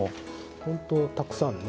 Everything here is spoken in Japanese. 本当、たくさんね。